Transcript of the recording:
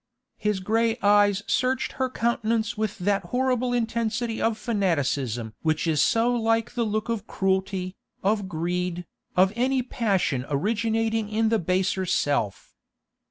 His grey eyes searched her countenance with that horrible intensity of fanaticism which is so like the look of cruelty, of greed, of any passion originating in the baser self.